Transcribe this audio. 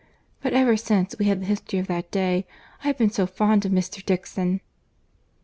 —But ever since we had the history of that day, I have been so fond of Mr. Dixon!"